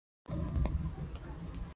نظم د هدف له احساس نه راټوکېږي.